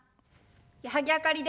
矢作あかりです。